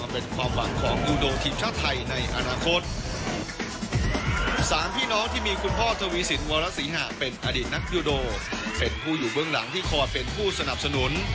เป็นผู้อยู่เบื้องหลังที่คอร์ดเป็นผู้สนับสนุน